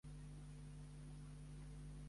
Lenexa no té un districte escolar públic propi.